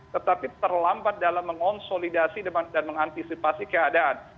tetapi terlambat dalam mengonsolidasi dan mengantisipasi keadaan